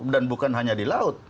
dan bukan hanya di laut